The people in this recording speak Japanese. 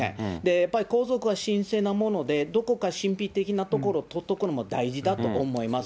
やっぱり皇族は神聖なもので、どこか神秘的なところをとっとくのも大事だと思います。